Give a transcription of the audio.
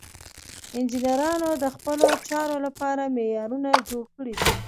انجینرانو د خپلو چارو لپاره معیارونه جوړ کړي دي.